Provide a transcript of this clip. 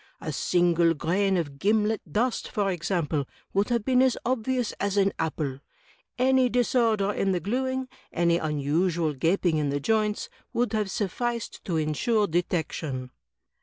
A single grain of gimlet dust, for ex ample, would have been as obvious as an apple. Any disorder in the gluing — any unusual gaping in the joints — ^would have sufi&ced to insiu^ detection."